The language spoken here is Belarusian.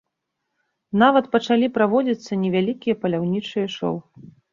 Нават пачалі праводзіцца невялікія паляўнічыя шоу.